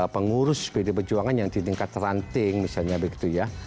pengurus pd perjuangan yang di tingkat teranting misalnya begitu ya